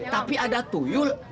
tapi ada tuyul